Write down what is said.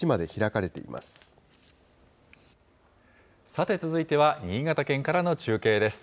さて、続いては新潟県からの中継です。